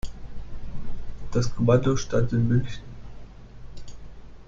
Das Kommando stand in München.